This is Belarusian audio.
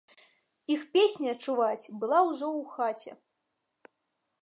Іх песня чуваць была ўжо ў хаце.